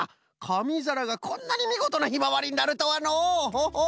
かみざらがこんなにみごとなヒマワリになるとはのう！